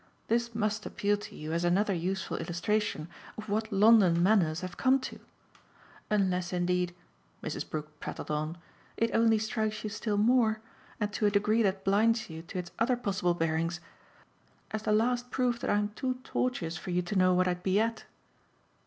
This must appeal to you as another useful illustration of what London manners have come to; unless indeed," Mrs. Brook prattled on, "it only strikes you still more and to a degree that blinds you to its other possible bearings as the last proof that I'm too tortuous for you to know what I'd be at!"